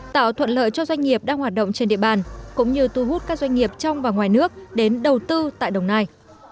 tạo thuận lợi cho doanh nghiệp đang hoạt động trên địa bàn cũng như tu hút các doanh nghiệp trong và ngoài nước đến đầu tư tại đồng nai